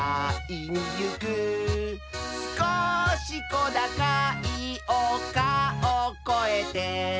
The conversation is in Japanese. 「すこしこだかいおかをこえて」